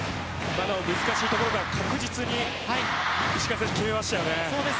難しいところから確実に石川選手決めました。